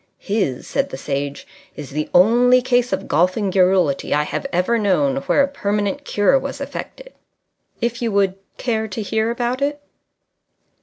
"His," said the Sage, "is the only case of golfing garrulity I have ever known where a permanent cure was affected. If you would care to hear about it